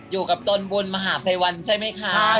อยู่กับตนบุญมหาภัยวันใช่ไหมครับ